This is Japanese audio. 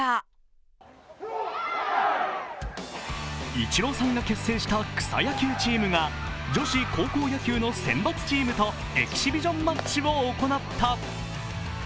イチローさんが結成した草野球チームが女子高校野球の選抜チームとエキシビジョンマッチを行った。